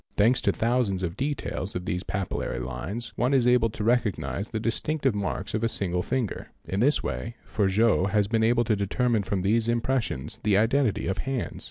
Thanks to the thousands of details of these papillary lines one is able to recognise the distinctive marks of a single — finger. In this way Forgeot has been able to determine from these im _ pressions the identity of hands.